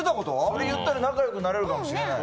それ言ったら仲良くなれるかもしれない。